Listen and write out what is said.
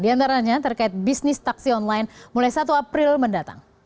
di antaranya terkait bisnis taksi online mulai satu april mendatang